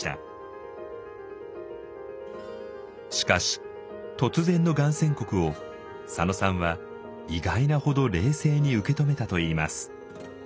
しかし突然のがん宣告を佐野さんは意外なほど冷静に受け止めたといいます。